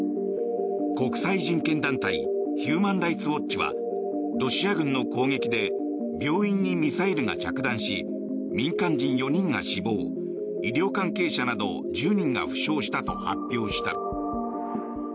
国際人権団体ヒューマン・ライツ・ウォッチはロシア軍の攻撃で病院にミサイルが着弾し民間人４人が死亡医療関係者など１０人が負傷したと発表した。